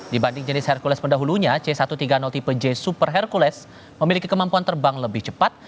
dibanding jenis hercules pendahulunya c satu ratus tiga puluh tipe j super hercules memiliki kemampuan terbang lebih cepat